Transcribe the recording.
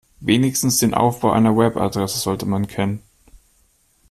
Wenigstens den Aufbau einer Webadresse sollte man kennen.